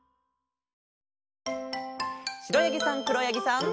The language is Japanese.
しろやぎさんくろやぎさん。